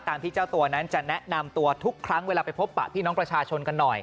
ที่เจ้าตัวนั้นจะแนะนำตัวทุกครั้งเวลาไปพบปะพี่น้องประชาชนกันหน่อย